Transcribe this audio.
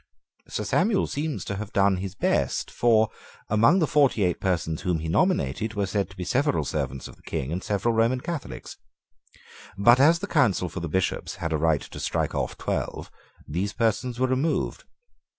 Sir Samuel seems to have done his best. For, among the forty eight persons whom he nominated, were said to be several servants of the King, and several Roman Catholics. But as the counsel for the Bishops had a right to strike off twelve, these persons were removed.